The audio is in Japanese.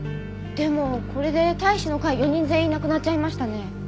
でもこれで隊士の会４人全員亡くなっちゃいましたね。